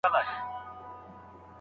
دروني ځواک د مشکلاتو په وخت کاروي.